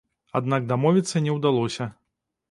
Аднак дамовіцца не ўдалося.